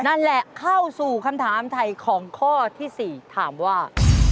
นั่นแหละเข้าสู่คำถามถ่ายของข้อที่๔ถามว่า